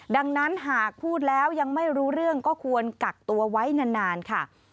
ดังนั้นหากพูดแล้วยังไม่รู้เรื่องก็ควรกักตัวไว้นานค่ะ